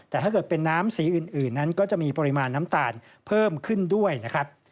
แต่ถ้าเกิดเป็นน้ำสีอื่นนั้นก็จะมีปริมาณน้ำตาลเพิ่มขึ้นด้วยนะครับ